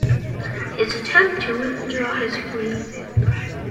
His attempt to withdraw his plea failed.